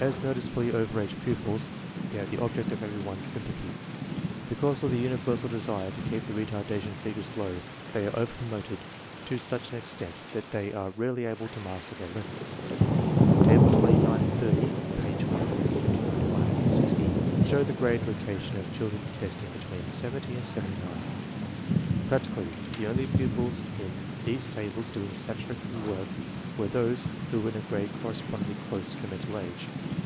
As noticeably over age pupils, they are the object of. every one's sympathy. Because of the universal desire to keep the retardation figures low, they are over promoted to such an extent that they are rarely able to master their lessons. Tables 29 and 30 (pp. 159, 160) MENTAL TESTS OF SCHOOL LAGGARDS 131 show the grade location of children testing between 70 and 79. Practically the only pupils in these tables do ing satisfactory work were those who were in a grade corresponding closely to the mental age.